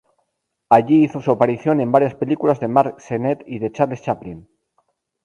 Allí hizo su aparición en varias películas de Mack Sennett y de Charles Chaplin.